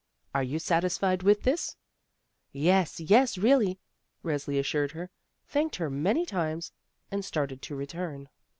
Are you satis fied with this?" "Yes, yes, really," Resli assured her, thanked her many times, and started to return.